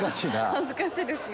恥ずかしいですね。